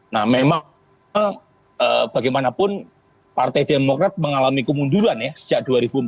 nah memang bagaimanapun partai demokrat mengalami kemunduran ya sejak dua ribu empat belas